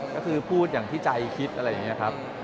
ก็คือพูดอย่างที่ใจคิดอะไรอย่างนี้ครับ